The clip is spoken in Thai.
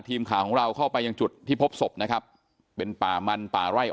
ทีมข่าวของเราเข้าไปยังจุดที่พบศพนะครับเป็นป่ามันป่าไร่อ